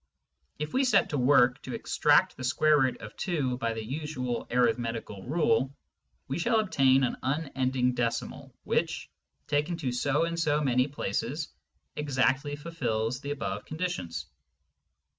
If we set to work to extract the square root of 2 by the usual arithmetical rule, we shall obtain an unending decimal which, taken to so and so many places, exactly fulfils the above conditions.